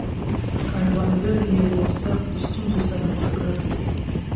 کروندګر یې له سختو ستونزو سره مخ کړل.